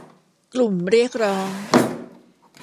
กลุ่มเรียกร้อง